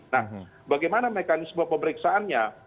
nah bagaimana mekanisme pemeriksaannya